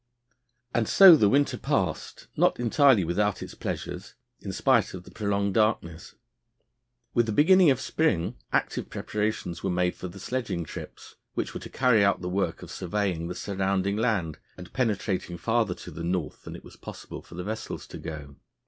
And so the winter passed, not entirely without its pleasures, in spite of the prolonged darkness. With the beginning of spring active preparations were made for the sledging trips, which were to carry out the work of surveying the surrounding land and penetrating farther to the North than it was possible for the vessels to go.